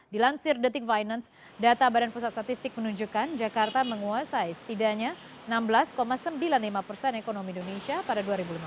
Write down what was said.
dilansir detik finance data badan pusat statistik menunjukkan jakarta menguasai setidaknya enam belas sembilan puluh lima persen ekonomi indonesia pada dua ribu lima belas